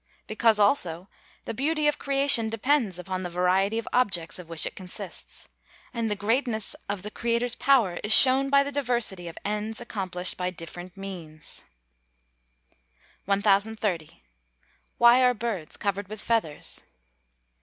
Because, also, the beauty of creation depends upon the variety of objects of which it consists. And the greatness of the Creator's power is shown by the diversity of ends accomplished by different means. 1030. _Why are birds covered with feathers?